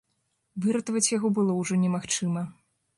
Выратаваць яго было ўжо немагчыма.